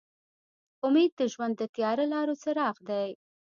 امید د ژوند د تیاره لارو څراغ دی.